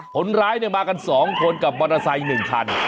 คนร้ายมากัน๒คนกับมอเตอร์ไซค์๑คัน